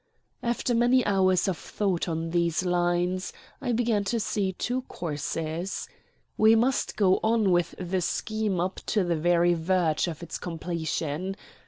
After many hours of thought on these lines, I began to see two courses. We must go on with the scheme up to the very verge of its completion.